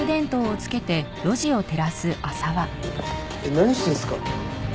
何してんすか？